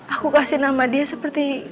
aku kasih nama dia seperti